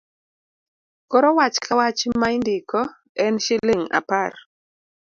Koro wach Ka wach ma indiko en shilling apar.